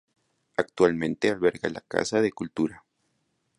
Actualmente alberga la Casa de Cultura.